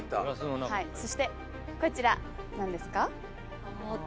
そしてこちら何ですか？